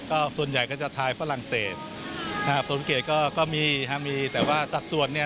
ก็ส่วนใหญ่ก็จะทายฝรั่งเศสโปรตุเกตก็มีแต่ว่าสัดส่วนนี้